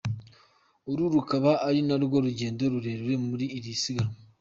Uru rukaba ari narwo rugendo rurerure muri iri siganwa.